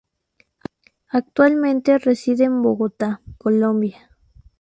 Actualmente reside en Bogotá, Colombia.